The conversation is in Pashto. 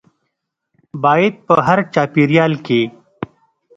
باید په هر چاپیریال کې